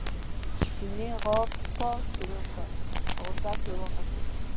چیني غپا شروع کړه په غوسه کې وغپېد.